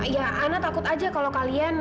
ya ana takut aja kalau kalian